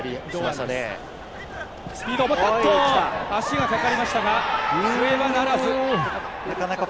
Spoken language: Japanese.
足がかかりましたが笛は鳴らず。